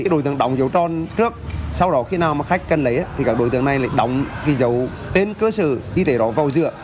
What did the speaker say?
đối tượng đóng dấu tròn trước sau đó khi nào mà khách cần lấy thì các đối tượng này đóng dấu tên cơ sở y tế đó vào dựa